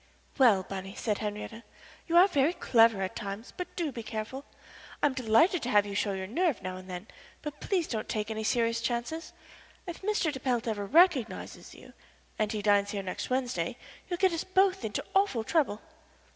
"Well, Bunny," said Henriette, "you are very clever at times, but do be careful. I am delighted to have you show your nerve now and then, but please don't take any serious chances. If Mr. de Pelt ever recognizes you and he dines here next Wednesday you'll get us both into awful trouble."